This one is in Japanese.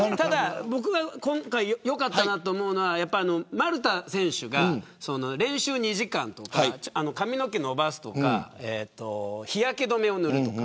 僕が今回良かったなと思うのは丸田選手が練習２時間とか髪の毛伸ばすとか日焼け止めを塗るとか。